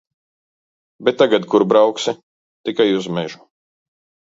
Bet tagad kur brauksi? Tikai uz mežu.